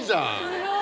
すごい。